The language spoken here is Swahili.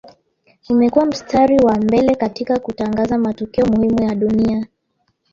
Imekua mstari wa mbele katika kutangaza matukio muhimu ya dunia